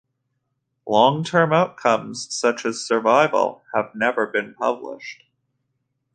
Long-term outcomes, such as survival, have never been published.